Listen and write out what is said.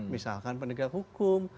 misalkan penegak hukum